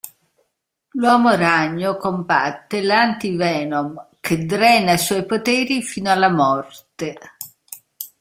L'Uomo Ragno combatte l'Anti-Venom, che drena i suoi poteri fino alla morte.